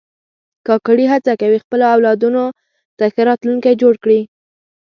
کاکړي هڅه کوي خپلو اولادونو ته ښه راتلونکی جوړ کړي.